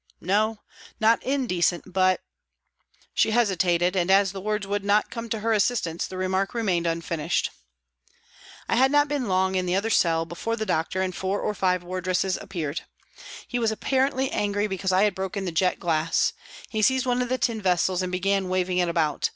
" No, not indecent, but " she hesitated and, as the words would not come to her assistance, the remark remained unfinished. I had not been long in the other cell before the doctor and four or five wardresses appeared. He was apparently angry because I had broken the jet glass ; he seized one of the tin vessels and began waving it about.